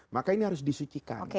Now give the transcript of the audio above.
maka ini harus disucikan